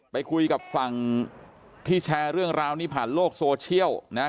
ไปคุยกับฝั่งที่แชร์เรื่องราวนี้ผ่านโลกโซเชียลนะฮะ